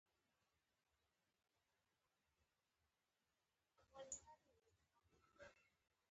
د بښنې خصلت خپل کړئ.